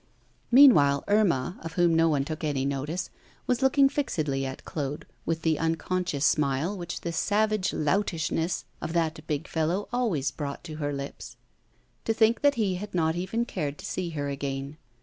Meanwhile, Irma, of whom no one took any notice, was looking fixedly at Claude with the unconscious smile which the savage loutishness of that big fellow always brought to her lips. To think that he had not even cared to see her again.